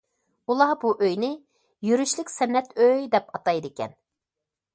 ئۇلار بۇ ئۆينى‹‹ يۈرۈشلۈك سەنئەت ئۆي›› دەپ ئاتايدىكەن.